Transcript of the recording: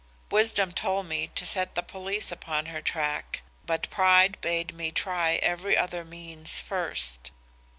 Wisdom told me to set the police upon her track, but pride bade me try every other means first.